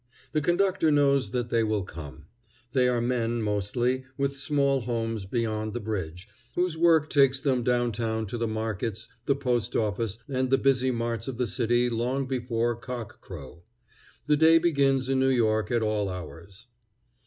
The conductor knows that they will come. They are men, mostly, with small homes beyond the bridge, whose work takes them down town to the markets, the Post office, and the busy marts of the city long before cock crow. The day begins in New York at all hours.